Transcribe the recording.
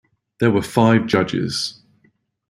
There were five judges.